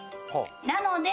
なので